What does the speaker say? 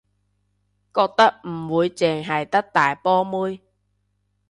覺得唔會淨係得大波妹